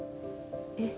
えっ？